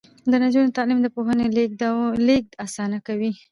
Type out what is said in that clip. د نجونو تعلیم د پوهې لیږد اسانه کوي.